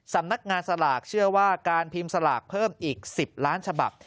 สำนักงานสลากเชื่อว่าการพิมพ์สลากเพิ่มอีก๑๐ล้านฉบับ